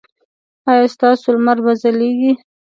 ایا ستاسو لمر به ځلیږي؟